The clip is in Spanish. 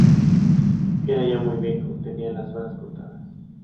Era ya muy viejo, tenía las horas contadas